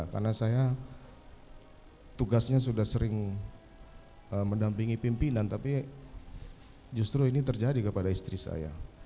karena saya tugasnya sudah sering mendampingi pimpinan tapi justru ini terjadi kepada istri saya